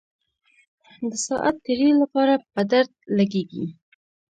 د ساعت تیرۍ لپاره په درد لګېږي.